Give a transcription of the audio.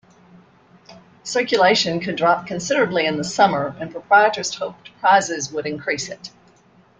Circulation could drop considerably in the summer and proprietors hoped prizes would increase it.